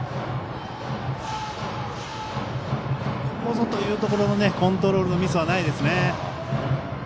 ここぞというところのコントロールミスはないですよね。